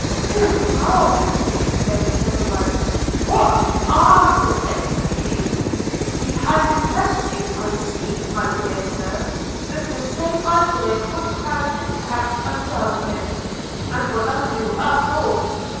'Good God!' exclaimed Somerive, 'what are his expectations? He has impressed you, I see, my dear Sir, with the same idea which has in fact undone him, and will undo us all.